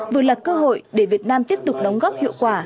vừa là cơ hội để việt nam tiếp tục đóng góp hiệu quả